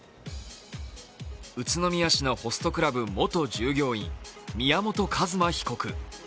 宇都宮市のホストクラブ元従業員宮本一馬被告。